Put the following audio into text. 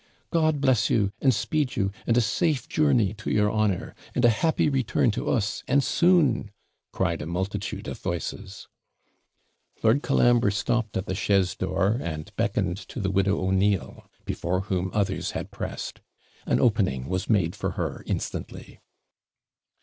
'God bless you! and speed ye! and a safe journey to your honour! and a happy return to us, and soon!' cried a multitude of voices. Lord Colambre stopped at the chaise door and beckoned to the widow O'Neill, before whom others had pressed. An opening was made for her instantly.